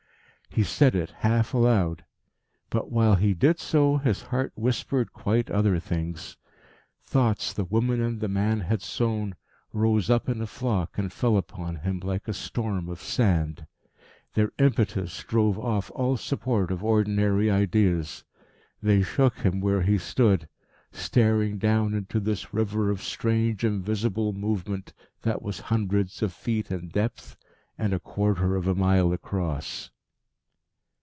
He said it half aloud. But, while he did so, his heart whispered quite other things. Thoughts the woman and the man had sown rose up in a flock and fell upon him like a storm of sand. Their impetus drove off all support of ordinary ideas. They shook him where he stood, staring down into this river of strange invisible movement that was hundreds of feet in depth and a quarter of a mile across.